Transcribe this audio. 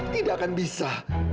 tidak akan bisa